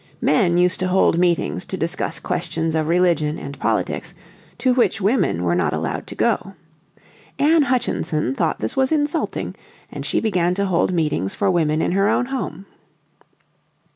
Men used to hold meetings to discuss questions of religion and politics to which women were not allowed to go. Anne Hutchinson thought this was insulting; and she began to hold meetings for women in her own home.